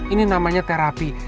ini namanya terapi